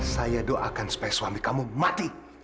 saya doakan supaya suami kamu mati